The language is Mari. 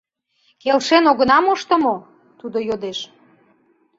Келшен огына мошто мо? — тудо йодеш.